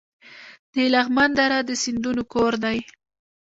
د لغمان دره د سیندونو کور دی